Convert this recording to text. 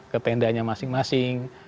ke tendanya masing masing